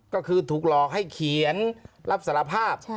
ก็คือถูกหลอกให้เขียนรับสารภาพ